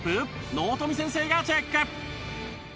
納富先生がチェック！